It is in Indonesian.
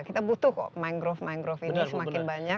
kita butuh kok mangrove mangrove ini semakin banyak